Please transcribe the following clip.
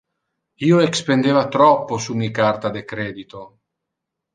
Io expendeva troppo sur mi carta de credito.